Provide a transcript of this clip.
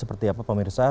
seperti apa pak mirsa